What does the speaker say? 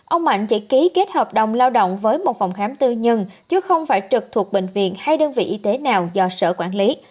ông mạnh chỉ ký kết hợp đồng lao động với một phòng khám tư nhân chứ không phải trực thuộc bệnh viện hay đơn vị y tế nào do sở quản lý